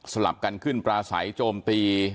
ลับกันขึ้นปลาใสโจมตี